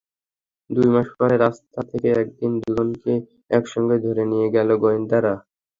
দুই মাস পরেই রাস্তা থেকে একদিন দুজনকে একসঙ্গেই ধরে নিয়ে গেল গোয়েন্দারা।